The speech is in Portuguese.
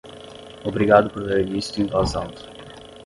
Obrigado por ler isto em voz alta.